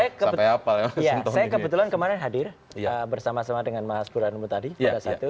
saya kebetulan kemarin hadir bersama sama dengan mas burhanmu tadi pada saat itu